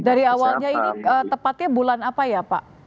dari awalnya ini tepatnya bulan apa ya pak